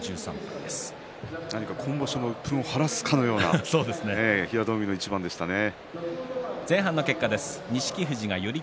何か今場所のうっぷんを晴らすかのような平戸海の一番でしたね。